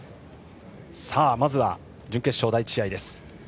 まず、準決勝第１試合です。